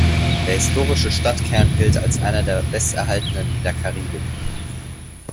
Der historische Stadtkern gilt als einer der besterhaltenen in der Karibik.